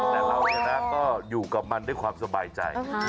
แต่เราชนะก็อยู่กับมันด้วยความสบายใจ